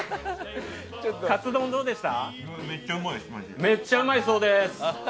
カツ丼どうでした？